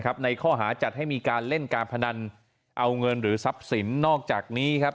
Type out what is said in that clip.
ในข้อหาจัดให้มีการเล่นการพนันเอาเงินหรือทรัพย์สินนอกจากนี้ครับ